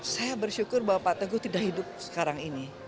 saya bersyukur bahwa pak teguh tidak hidup sekarang ini